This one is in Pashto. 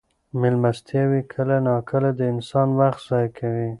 مېلمستیاوې کله ناکله د انسان وخت ضایع کوي.